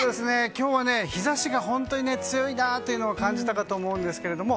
今日は日差しが本当に強いなと感じたかと思うんですけれども。